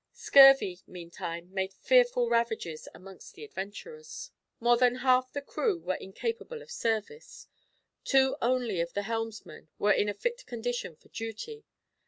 Scurvy meantime made fearful ravages amongst the adventurers. More than half the crew were incapable of service. Two only of the helmsmen were in a fit condition for duty.